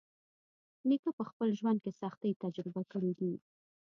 نیکه په خپل ژوند کې سختۍ تجربه کړې دي.